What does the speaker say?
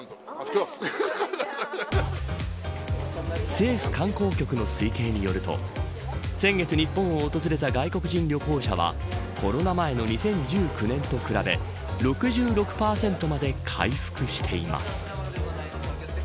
政府観光局の推計によると先月、日本を訪れた外国人旅行者はコロナ前の２０１９年と比べ、６６％まで回復しています。